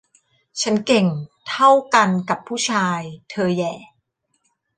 ฉันเก่งเท่ากันกับผู้ชาย เธอแหย่